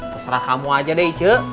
terserah kamu aja deh ije